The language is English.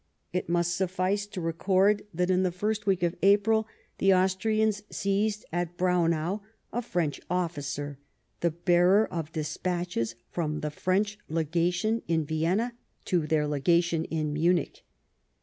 It must suffice to record that, in the first week of April, the Austrians seized, at Braunau, a French officer, the bearer of despatches from the French lega tion in Vienna to their legation in Munich.